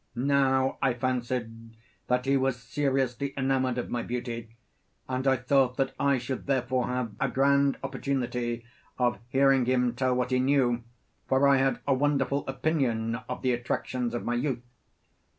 Now I fancied that he was seriously enamoured of my beauty, and I thought that I should therefore have a grand opportunity of hearing him tell what he knew, for I had a wonderful opinion of the attractions of my youth.